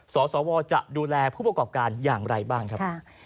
สวจะดูแลผู้ประกอบการอย่างไรบ้างครับ